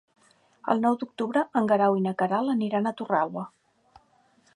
El nou d'octubre en Guerau i na Queralt aniran a Torralba.